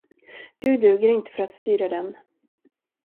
Du duger inte för att styra den.